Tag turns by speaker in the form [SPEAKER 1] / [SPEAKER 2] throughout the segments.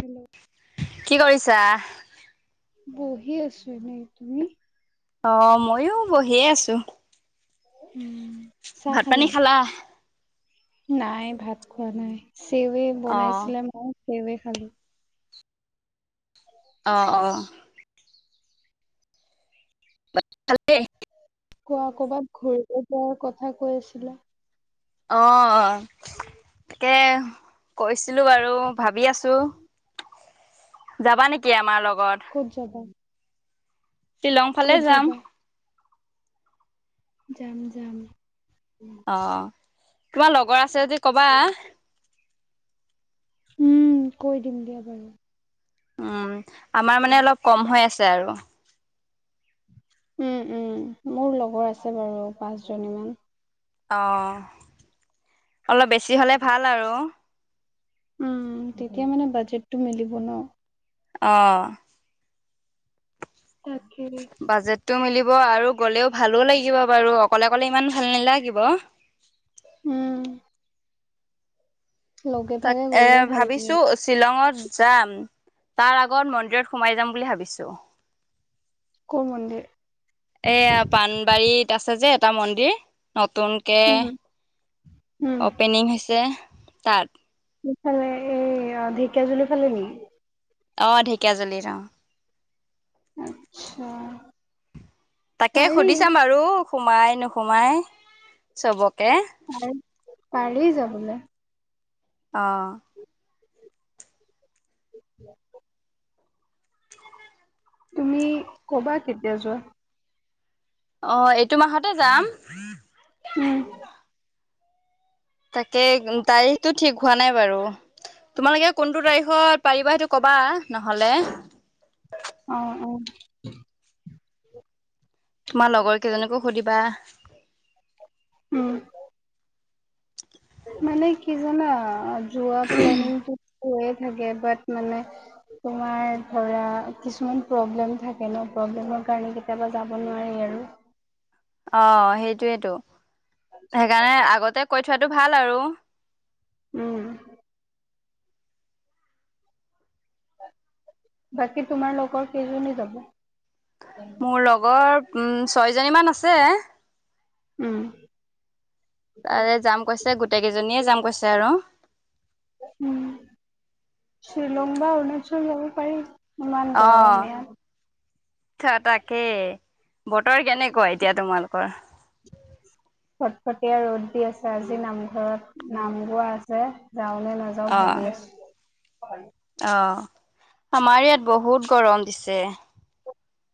[SPEAKER 1] Hello
[SPEAKER 2] কি কৰিছা?
[SPEAKER 1] বহি আছো এনে, তুমি?
[SPEAKER 2] অ' মইয়ো বহিয়ে আছো।
[SPEAKER 1] উম। চাহ
[SPEAKER 2] ভাত পানী খালা?
[SPEAKER 1] নাই ভাত খোৱা নাই, চেৱে
[SPEAKER 2] অ'
[SPEAKER 1] বনাইছিলে নহয় সেৱে খালো।
[SPEAKER 2] অ', অ'। বাকী ভালেই।
[SPEAKER 1] কোৱা ক'বাত ঘূৰিলৈ যোৱাৰ কথা কৈ আছিলা।
[SPEAKER 2] অ', অ' তাকে কৈছিলো বাৰু ভাবি আছো। যাবা নেকি, আমাৰ লগত।
[SPEAKER 1] ক'ত যাবা?
[SPEAKER 2] শ্বিলং ফালে
[SPEAKER 1] ক'ত
[SPEAKER 2] যাম।
[SPEAKER 1] যাবা? যাম, যাম।
[SPEAKER 2] অ' তোমাৰ লগৰ আছে যদি ক'বা।
[SPEAKER 1] উম, কৈ দিম দিয়া বাৰু।
[SPEAKER 2] উম, আমাৰ মানে অলপ কম হৈ আছে আৰু।
[SPEAKER 1] উম, উম। মোৰ লগৰ আছে বাৰু পাঁচজনী মান।
[SPEAKER 2] অ' অলপ বেছি হ'লে ভাল আৰু।
[SPEAKER 1] উম, উম। তেতিয়া মানে বাজেটটো মিলিব ন'।
[SPEAKER 2] অহ'।
[SPEAKER 1] তাকে।
[SPEAKER 2] বাজেটটো মিলিব আৰু গ'লেও ভালো লাগিব বাৰু। অকলে, অকলে ইমান ভাল নালাগিব
[SPEAKER 1] উম। লগে ভাগে
[SPEAKER 2] তাকে
[SPEAKER 1] গ'লে ভাল লাগে।
[SPEAKER 2] ভাবিছোঁ শ্বিলংত যাম, তাৰ আগত মন্দিৰত সোমাই যাম বুলি ভাবিছোঁ।
[SPEAKER 1] কোন মন্দিৰ?
[SPEAKER 2] এয়া পাানবাৰীত আছে যে এটা মন্দিৰ নতুন কে
[SPEAKER 1] উম উম
[SPEAKER 2] অপেনিং হৈছে তাত।
[SPEAKER 1] ইফালে এই আ, ঢেকীয়াজুলি ফালে নেকি?
[SPEAKER 2] অ' ঢেকীয়াজুলিত অ'।
[SPEAKER 1] আচ্ছা।
[SPEAKER 2] তাকে
[SPEAKER 1] পাৰি
[SPEAKER 2] সুধি চাম বাৰু, সোমাই নোসোমাই চবকে।
[SPEAKER 1] পাৰি যাবলে।
[SPEAKER 2] অ'।
[SPEAKER 1] [inaudible] তুমি ক'বা কেতিয়া যোৱা।
[SPEAKER 2] অ' এইটো মাহতে যাম।
[SPEAKER 1] [inaudible]
[SPEAKER 2] তাকে তাৰিখটো ঠিক হোৱা নাই বাৰু। তোমালোকে কোনটো তাৰিখত পাৰিবা সেইটো ক'বা নহ'লে।
[SPEAKER 1] অ', অ'।
[SPEAKER 2] তোমাৰ লগৰ কেইজনীকো সুধিবা।
[SPEAKER 1] উম।
[SPEAKER 2] [inaudible]
[SPEAKER 1] মানে কি জানা যোৱা প্লেনিংটো হৈয়ে থাকে বাট মানে তোমাৰ ধৰা কিছুমান প্ৰব্লেম থাকে ন' প্ৰব্লেমৰ কাৰণে কেতিয়াবা যাব নোৱাৰি আৰু।
[SPEAKER 2] অ' হেইটোয়েতো, সেইকাৰণে আগতে কৈ থোৱাটো ভাল আৰু।
[SPEAKER 1] উম। বাকী তোমাৰ লগৰ কেইজনী যাব?
[SPEAKER 2] মোৰ লগৰ উ, ছয়জনীমান আছে।
[SPEAKER 1] উম।
[SPEAKER 2] তাৰে যাম কৈছে, গোটেই কেইজনীয়ে যাম কৈছে আৰু।
[SPEAKER 1] উম, শ্বিলং বা অৰুণাচল যাব পাৰি। ইমান গৰম
[SPEAKER 2] অ'।
[SPEAKER 1] ইয়াত
[SPEAKER 2] থা তাকেই। বতৰ কেনেকুৱা এতিয়া তোমালোকৰ?
[SPEAKER 1] কটকটীয়া ৰ'দ দি আছে, আজি নামঘৰত নাম গোৱা আছে যাওঁ নে না যাওঁ
[SPEAKER 2] অ
[SPEAKER 1] ভাবি আছোঁ।
[SPEAKER 2] অ' আমাৰ ইয়াত বহুত গৰম দিছে।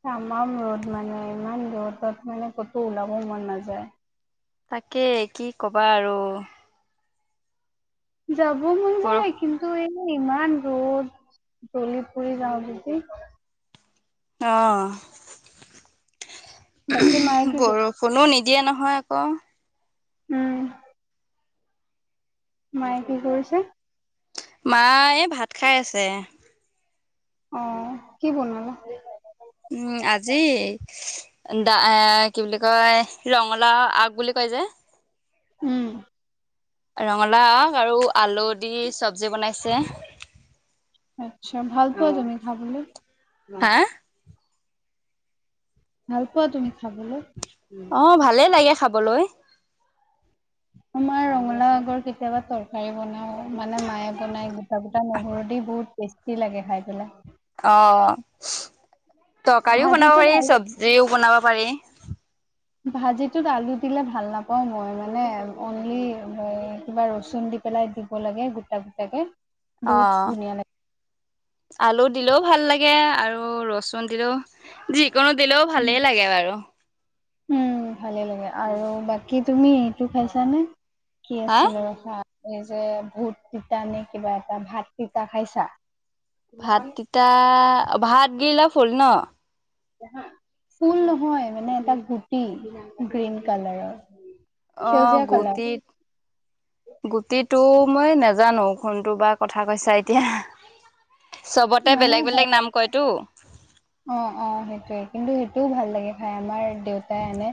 [SPEAKER 1] তামাম ৰ'দ মানে, ইমান ৰ'দত মানে ক'তো ওলাব মন নাযায়।
[SPEAKER 2] তাকেই কি ক'বা আৰু।
[SPEAKER 1] যাব মন
[SPEAKER 2] পৰ
[SPEAKER 1] যায় কিন্তু এ, ইমান ৰ'দ, জলি পুৰি যাওঁ যদি।
[SPEAKER 2] অ'।
[SPEAKER 1] বাকী মায়ে কি
[SPEAKER 2] বৰ
[SPEAKER 1] কৰি
[SPEAKER 2] ষুণো নিদিয়ে নহয় আকৌ।
[SPEAKER 1] উম। মায়ে কি কৰিছে?
[SPEAKER 2] মা এই ভাত খাই আছে।
[SPEAKER 1] অ', কি বনালা?
[SPEAKER 2] উম আজি দা এ কি বুলি কয় ৰঙলাও আগ বুলি কয় যে।
[SPEAKER 1] উম।
[SPEAKER 2] ৰঙালাও আৰু আলু দি চব্জি বনাইছে।
[SPEAKER 1] আচ্ছা ভাল পোৱা তুমি খাবলে?
[SPEAKER 2] হা?
[SPEAKER 1] ভাল পোৱা তুমি খাবলে?
[SPEAKER 2] অঁ ভালে লাগে খাবলৈ।
[SPEAKER 1] আমাৰ ৰঙলাও আগৰ কেতিয়াবা তৰকাৰী বনাও। মানে মায়ে বনাই গোটা গোটা নহৰু দি বহুত টেষ্টি লাগে খায় পেলাই।
[SPEAKER 2] অঁ তৰকাৰীও বনাব
[SPEAKER 1] ভাজিটোত
[SPEAKER 2] পাৰি,
[SPEAKER 1] আলু
[SPEAKER 2] চব্জিও বনাব পাৰি।
[SPEAKER 1] ভাজিটোত আলু দিলে ভাল নাপাওঁ মই মানে অনলি কিবা ৰচুন দি পেলাই দিব লাগে গোটা গোটাকে। বহুত
[SPEAKER 2] অঁ
[SPEAKER 1] ধুনীয়া
[SPEAKER 2] আলু দিলেও ভাল লাগে, আৰু ৰচুন দিলেও যিকোনো দিলেও ভালেই লাগে বাৰু।
[SPEAKER 1] উম ভালে লাগে আৰু বাকী তুমি এইটো খাইছানে? কি
[SPEAKER 2] হা
[SPEAKER 1] আছিল ৰখা এই যে ভূত তিতা নে কিবা এটা ভাত তিতা খাইছা?
[SPEAKER 2] ভাত তিতা ভাত গেইলা ফুল ন?
[SPEAKER 1] ফুল নহয় মানে এটা গুটি গ্ৰীণ কালাৰৰ।
[SPEAKER 2] অঁ
[SPEAKER 1] সেউজীয়া কালাৰ
[SPEAKER 2] গুটিত গুটিটো মই নেজানো, কোনটো বা কথা কৈছা এতিয়া? চবতে বেলেগ বেলেগ নাম কয়তো।
[SPEAKER 1] অঁ অঁ সেইটোৱে, কিন্তু সেইটোও ভাল লাগে খায় আমাৰ দেউতাই আনে।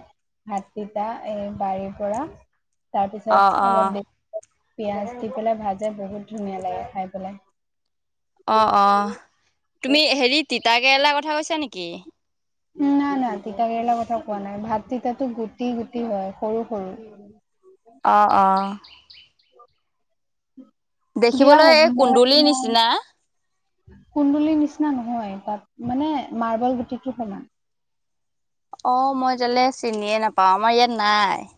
[SPEAKER 1] ভাত তিতা এ বাৰীৰ পৰা,
[SPEAKER 2] অ
[SPEAKER 1] তাৰপিছত
[SPEAKER 2] অ
[SPEAKER 1] অলপ দে পিয়াজ দি পেলাই ভাজে বহুত ধুনীয়া লাগে খায় পেলাই।
[SPEAKER 2] অঁ অঁ তুমি হেৰি তিতাকেৰেলা কথা কৈছা নেকি?
[SPEAKER 1] না নাই নাই তিতা কেৰেলা কথা কোৱা নাই, ভাত তিতাতো গুটি গুটি হয় সৰু সৰু।
[SPEAKER 2] অঁ অঁ।
[SPEAKER 1] দিয়া
[SPEAKER 2] দেখিবলৈ
[SPEAKER 1] হ'ব
[SPEAKER 2] এই
[SPEAKER 1] মই
[SPEAKER 2] কুন্দুলিৰ
[SPEAKER 1] তোমাৰ
[SPEAKER 2] নিচিনা।
[SPEAKER 1] কুন্দুলিৰ নিচিনা নহয় তাত মানে মাৰ্বল গুটিটো সমান।
[SPEAKER 2] অ মই তেলে চিনিয়ে নেপাওঁ, আমাৰ ইয়াত নাই।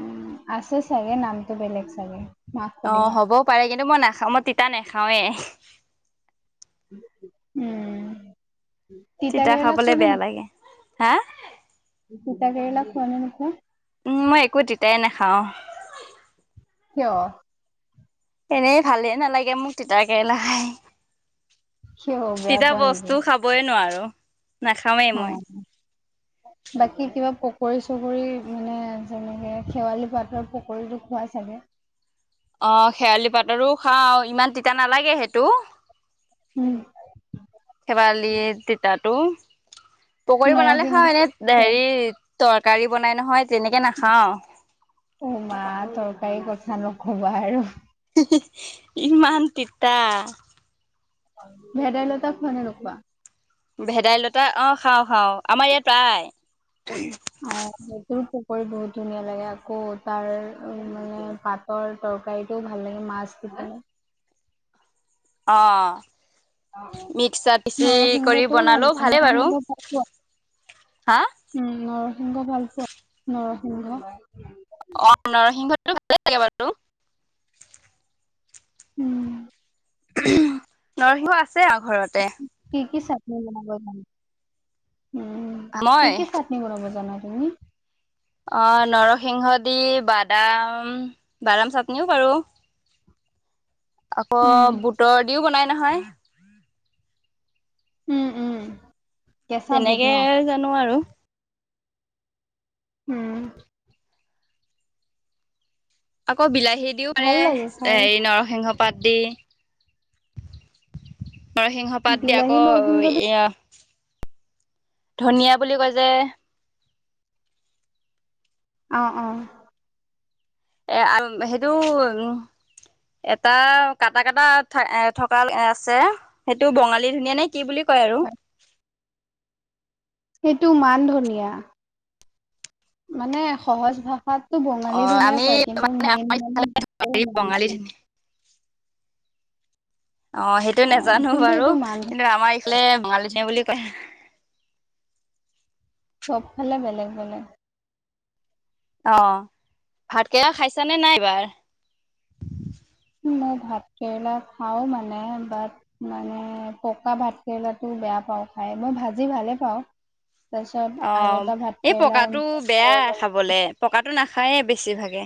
[SPEAKER 1] উম আছে চাগে নামটো বেলেগ চাগে। মাক
[SPEAKER 2] অঁ
[SPEAKER 1] সুধিবা
[SPEAKER 2] হ'বও পাৰে কিন্তু মই নাখাওঁ মই তিতা নাখাওৱে।
[SPEAKER 1] উম।
[SPEAKER 2] তিতা
[SPEAKER 1] কেৰেলা
[SPEAKER 2] খাবলে
[SPEAKER 1] খোৱা
[SPEAKER 2] বেয়া লাগে, হা?
[SPEAKER 1] তিতাকেৰেলা খোৱা নে নোখোৱা?
[SPEAKER 2] উম মই একো তিতাই নেখাওঁ।
[SPEAKER 1] কিয়?
[SPEAKER 2] এনেই ভালে নালাগে মোক তিতাকেৰেলা খায়।
[SPEAKER 1] কিয় বেয়া
[SPEAKER 2] তিতা
[SPEAKER 1] পোৱা নেকি?
[SPEAKER 2] বস্তু খাবয় নোৱাৰো।
[SPEAKER 1] অঁ।
[SPEAKER 2] [inaudible]
[SPEAKER 1] বাকী কিবা পকৰী চকৰি মানে যেনেকে শেৱালি পাতৰ পকৰীটো খোৱা চাগে?
[SPEAKER 2] অঁ শেৱালি পাতৰো খাওঁ ইমান তিতা নালাগে সেইটো।
[SPEAKER 1] উম,
[SPEAKER 2] শেৱালি তিতাটো পকৰী বনালে
[SPEAKER 1] নৰসিংহ
[SPEAKER 2] খাওঁ এনে
[SPEAKER 1] খোৱা?
[SPEAKER 2] হেৰি তৰকাৰী বনাই নহয় তেনেকে নাখাওঁ
[SPEAKER 1] অ মা তৰকাৰী কথা নক'বা আৰু
[SPEAKER 2] ইমান তিতা
[SPEAKER 1] ভেদাইলতা খোৱা নে নোখোৱা
[SPEAKER 2] ভেদাইলতা অ খাওঁ খাওঁ আমাৰ ইয়াত পায়
[SPEAKER 1] অ সেটোৰো পুকুৰী বহুত ধুনীয়া লাগে আকৌ তাৰ মানে পাত তৰ তৰকাৰীটোও ভাল লাগে মাছ দি পেনে
[SPEAKER 2] অ মিক্সাৰ পিচি কৰি
[SPEAKER 1] নৰসিংহটোও ভাল
[SPEAKER 2] বনালেও
[SPEAKER 1] লাগে
[SPEAKER 2] ভালে বাৰু
[SPEAKER 1] নৰসিংহ ভাল পোৱা?
[SPEAKER 2] হা
[SPEAKER 1] উম নৰসিংহ ভাল পোৱা নৰসিংহ
[SPEAKER 2] অ নৰসিংহটো ভালেই লাগে বাৰু
[SPEAKER 1] উম
[SPEAKER 2] নৰসিংহ আছে আৰু ঘৰতে
[SPEAKER 1] কি কি চাটনি বনাব জানা উম কি
[SPEAKER 2] মই
[SPEAKER 1] কি চাট নি বনাব জানা তুমি
[SPEAKER 2] অ নৰসিংহ দি বাদাম বাদাম চাটনিও পাৰো আকৌ
[SPEAKER 1] উম,
[SPEAKER 2] বুটৰ দিও বনাই নহয়
[SPEAKER 1] উম উম কেঁচা বুট
[SPEAKER 2] তেনেকে
[SPEAKER 1] ন?
[SPEAKER 2] জানো আৰু
[SPEAKER 1] উম
[SPEAKER 2] আকৌ বিলাহী দিও পাৰে
[SPEAKER 1] ভাল লাগে খাই।
[SPEAKER 2] হেৰি নৰসিংহ পাত দি নৰসিংহ পাত দিয়ে
[SPEAKER 1] বিলাহী
[SPEAKER 2] আকৌ
[SPEAKER 1] নৰসিংহ দি
[SPEAKER 2] ইয়া ধনিয়া বুলি কয় যে
[SPEAKER 1] অ অ
[SPEAKER 2] এ আল সেইটো এটা কাটা কাটা থা এ থকা আছে সেইটো বঙালী ধনীয়া নে কি বুলি কয় আৰু
[SPEAKER 1] হয়। সেইটো মান ধনীয়া মানে সহজ ভাষাত টো
[SPEAKER 2] অ
[SPEAKER 1] বঙালী ধুনীয়া
[SPEAKER 2] আমি
[SPEAKER 1] কয় কিন্তু মেইন মানে মান
[SPEAKER 2] বঙালী ধুনীয়া অ সেইটো
[SPEAKER 1] অ',
[SPEAKER 2] নেজানো
[SPEAKER 1] কিন্তু
[SPEAKER 2] বাৰু
[SPEAKER 1] এইটো মান
[SPEAKER 2] কিন্তু আমাৰ এইফালে বঙালি ধনীয়া বুলি কয়
[SPEAKER 1] চবফালে বেলেগ বলেগ
[SPEAKER 2] অ ভাতকেইৰা খাইছা নে নাই এইবাৰ
[SPEAKER 1] মই ভাত কেৰেলা খাও মানে বাট মানে পকা ভাতকেৰেলাটো বেয়া পাওঁ খাই মই ভাজি ভালে পাওঁ তাৰপিছত
[SPEAKER 2] অ
[SPEAKER 1] আৰু এটা ভাত
[SPEAKER 2] এই
[SPEAKER 1] কেৰেলাৰ
[SPEAKER 2] পকাটো বেয়া
[SPEAKER 1] বৰ
[SPEAKER 2] খাবলে পকাটো নাখায়ে বেছিভাগে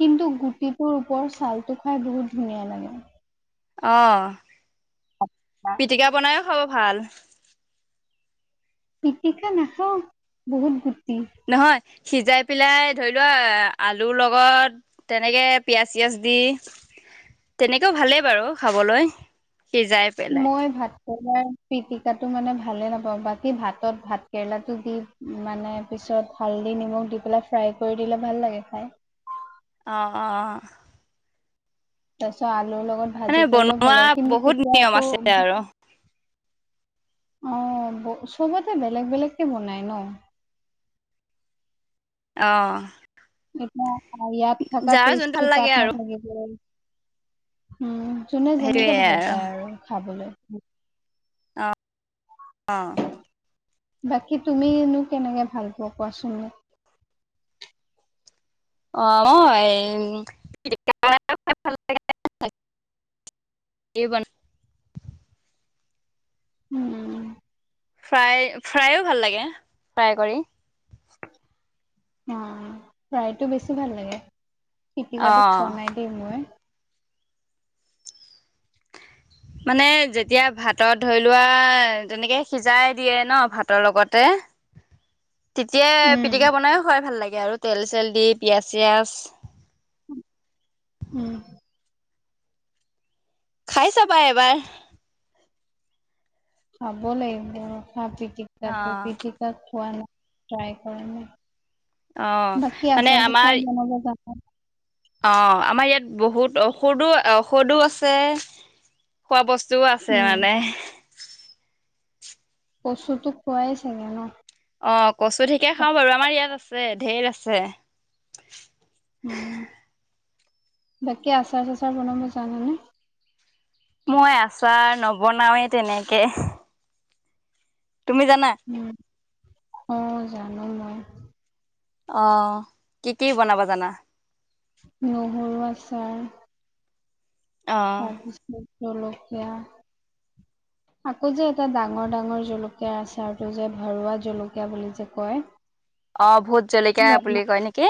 [SPEAKER 1] কিন্তু গুটিটোৰ ওপৰ ছালটো খাই বহুত ধুনীয়া লাগে
[SPEAKER 2] অ পিটিকা বনাইও খাব ভাল
[SPEAKER 1] পিটিকা নাখাও বহুত গুটি
[SPEAKER 2] নহয় সিজাই পেলাই ধৰি লোৱা আলুৰ লগত তেনেকে পিয়াজ চিয়াজ দি তেনেকেও ভালেই বাৰু খাবলৈ সিজাই পেলাই
[SPEAKER 1] মই ভাত তোমাৰ পিটিকাটো মানে ভালে নাপাওঁ বাকী ভাতত ভাত কেৰেলাটো দি মানে পিছত হালধি নিমখ দি পেলাই ফ্ৰাই কৰি দিলে ভাল লাগে খাই
[SPEAKER 2] অ অ
[SPEAKER 1] তাৰপিছত আলুৰ লগত
[SPEAKER 2] মানে
[SPEAKER 1] ভাজি কৰিলেও
[SPEAKER 2] বনোৱা
[SPEAKER 1] ভাল লাগে কিন্তু
[SPEAKER 2] বহুত
[SPEAKER 1] তেতিয়া
[SPEAKER 2] নিয়ম
[SPEAKER 1] আকৌ
[SPEAKER 2] আছে আৰু
[SPEAKER 1] অঁ চবতে বেলেগ বেলেগকৈ বনায় ন।
[SPEAKER 2] অঁ।
[SPEAKER 1] এতিয়া ইয়াত থাকা
[SPEAKER 2] যোন
[SPEAKER 1] টেষ্টটো
[SPEAKER 2] ভাল
[SPEAKER 1] তাত
[SPEAKER 2] লাগে আৰু
[SPEAKER 1] নাথাকিব উম যোনে যেনেকে ভাল পায় আৰু খাবলৈ।
[SPEAKER 2] অঁ
[SPEAKER 1] বাকী তুমিনো কেনেকে ভাল পোৱা কোৱাচোন?
[SPEAKER 2] অ মই [unintelligible] কি বন
[SPEAKER 1] উম
[SPEAKER 2] ফ্ৰাই ফ্ৰাইো ভাল লাগে ফ্ৰাই কৰি।
[SPEAKER 1] অ ফ্ৰাইটো বেছি ভাল লাগে।
[SPEAKER 2] অ
[SPEAKER 1] পিটিকাটো খোৱা নাই দেই মই।
[SPEAKER 2] মানে যেতিয়া ভাতত ধৰি লোৱা তেনেকৈ সিজাই দিয়ে ন ভাতৰ লগতে। তেতিয়া
[SPEAKER 1] উম
[SPEAKER 2] পিটিকা বনাইও খাই ভাল লাগে আৰু তেল চেল দি পিয়াজ চিয়াজ।
[SPEAKER 1] উম
[SPEAKER 2] খাই চাবা এবাৰ।
[SPEAKER 1] খাব লাগিব ৰখা পিটিকাটো পিটিকা খোৱা নাই ট্ৰাই কৰিব
[SPEAKER 2] অ
[SPEAKER 1] লাগিব। বাকী
[SPEAKER 2] মানে
[SPEAKER 1] আছাৰ চাচাৰ বনাব জানা নাই?
[SPEAKER 2] অঁ আমাৰ ইয়াত বহুত ঔষধো ঔষধো আছে। খোৱা বস্তুও আছে
[SPEAKER 1] উম
[SPEAKER 2] মানে।
[SPEAKER 1] কচুতো খোৱাই চাগে ন?
[SPEAKER 2] অঁ কচু ঠিকে খাওঁ বাৰু আমাৰ ইয়াত আছে ঢেৰ আছে।
[SPEAKER 1] উম, বাকী আচাৰ চাচাৰ বনাব জানা নে?
[SPEAKER 2] মই আচাৰ নবনাওৱে তেনেকে। তুমি জানা?
[SPEAKER 1] অঁ জানো মই।
[SPEAKER 2] অহ কি কি বনাবা জানা?
[SPEAKER 1] নহৰু আচাৰ
[SPEAKER 2] অ
[SPEAKER 1] তাৰপিছত জলকীয়া
[SPEAKER 2] [inaudible]
[SPEAKER 1] আকৌ যে এটা ডাঙৰ ডাঙৰ জলকীয়া আচাৰটো যে ভৰুৱা জলকীয়া বুলি যে কয়?
[SPEAKER 2] অঁ ভূত জলকীয়া
[SPEAKER 1] ৰঙা
[SPEAKER 2] বুলি কয় নেকি।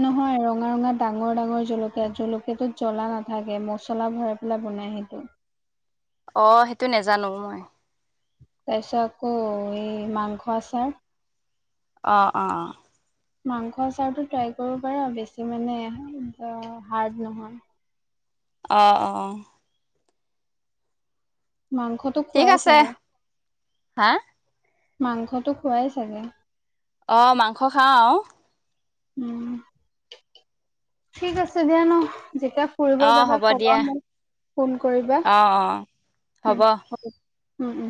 [SPEAKER 1] নহয় ৰঙা ৰঙা ডাঙৰ ডাঙৰ জলকীয়া জলকীয়াটোত জ্বলা নাথাকে মছলা ভৰাই পেলাই বনাই সেইটো।
[SPEAKER 2] অ সেইটো নেজানো মই।
[SPEAKER 1] তাৰপিছত আকৌ এই মাংস আচাৰ।
[SPEAKER 2] অ অ।
[SPEAKER 1] মাংস আচাৰটো ট্ৰাই কৰিব পাৰা বেছি মানে হাৰ্ড নহয়।
[SPEAKER 2] অ অ।
[SPEAKER 1] মাংসত
[SPEAKER 2] ঠিক আছে। হা?
[SPEAKER 1] মাংসটো খোৱাই চাগে?
[SPEAKER 2] অঁ মাংস খাওঁ।
[SPEAKER 1] [inaudible] ঠিক আছে দিয়া ন, যেতিয়া ফুৰিব
[SPEAKER 2] অ
[SPEAKER 1] যাবা
[SPEAKER 2] হ'ব
[SPEAKER 1] ক'বা
[SPEAKER 2] দিয়া
[SPEAKER 1] মোক। ফোন কৰিবা,
[SPEAKER 2] অ অ
[SPEAKER 1] উ, হ'ব। উ, উ।